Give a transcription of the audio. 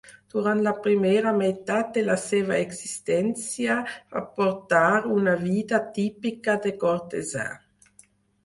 Durant la primera meitat de la seva existència, va portar una vida típica de cortesà.